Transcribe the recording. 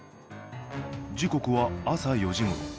時刻は朝４時ごろ。